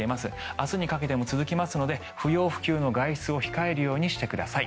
明日にかけて続きますので不要不急の外出を控えるようにしてください。